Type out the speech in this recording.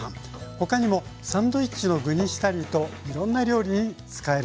他にもサンドイッチの具にしたりといろんな料理に使えるそうです。